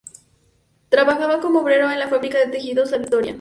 Trabajaba como obrero en la fábrica de Tejidos La Victoria.